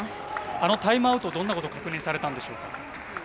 あのタイムアウトどんなことを確認されたんでしょうか？